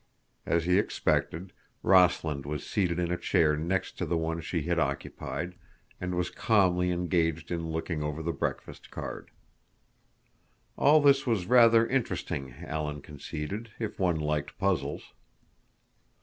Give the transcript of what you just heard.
As he expected, Rossland was seated in a chair next to the one she had occupied, and was calmly engaged in looking over the breakfast card. All this was rather interesting, Alan conceded, if one liked puzzles.